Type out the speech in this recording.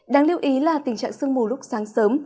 đáng lưu ý là tình trạng sương mù lúc sáng sớm